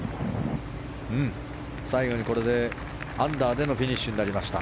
最後にこれでアンダーでのフィニッシュになりました。